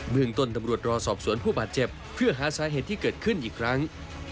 เมืองต้นตำรวจรอสอบสวนผู้บาดเจ็บเพื่อหาสาเหตุที่เกิดขึ้นอีกครั้ง